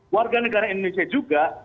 warga negara indonesia juga